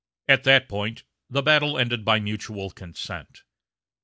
At that point the battle ended by mutual consent.